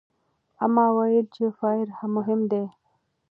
اما ویلي چې فایبر مهم دی.